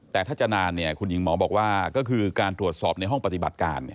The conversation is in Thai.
แต่ถ้าจะนานคุณหญิงหมอบอกว่าก็คือการตรวจสอบในห้องปฏิบัติการ